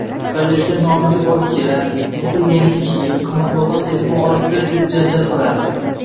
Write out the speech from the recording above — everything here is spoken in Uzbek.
Kollejga nomiga borib-kelar, nuqul yangi kiyim, qimmatbaho telefon olib ber, deb janjal qilardi